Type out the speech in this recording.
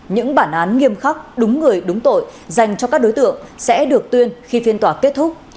những bản án nghiêm khắc đúng người đúng tội dành cho các đối tượng sẽ được tuyên khi phiên tòa kết thúc